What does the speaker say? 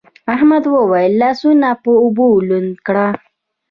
احمد وويل: لاسونه په اوبو لوند کړه.